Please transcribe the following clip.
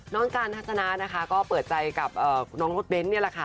น้องการทัศนาก็เปิดใจกับน้องรถเบ้นท์เนี่ยแหละค่ะ